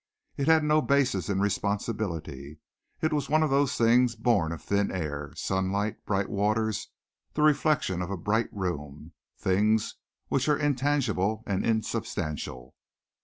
It had no basis in responsibility. It was one of those things born of thin air sunlight, bright waters, the reflection of a bright room things which are intangible and insubstantial.